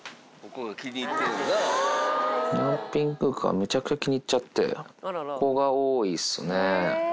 ニャンピングカー、めちゃくちゃ気に入っちゃって、ここが多いっすね。